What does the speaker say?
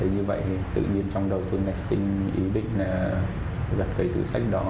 tôi thấy như vậy tự nhiên trong đầu tôi ngạch sinh ý định là gặt cái túi sách đó